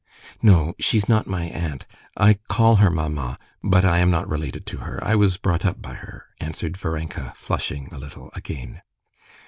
"No, she's not my aunt. I call her mamma, but I am not related to her; I was brought up by her," answered Varenka, flushing a little again.